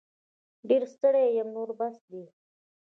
ډير ستړې یم نور بس دی